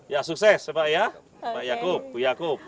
ya sukses ya pak yaakub